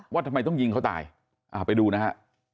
ว่าทำไมต้องยิงเขาตายไปดูนะฮะ